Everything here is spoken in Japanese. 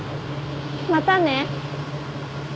またね。